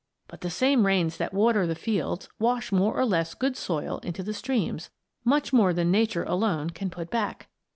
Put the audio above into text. But the same rains that water the fields wash more or less good soil into the streams; much more than Nature alone can put back.